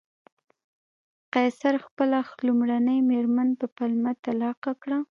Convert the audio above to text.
قیصر خپله لومړۍ مېرمن په پلمه طلاق کړه